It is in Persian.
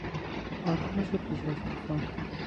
آرامش پیش از توفان